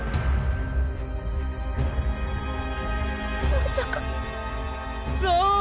まさかそう！